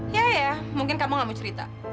iya iya mungkin kamu gak mau cerita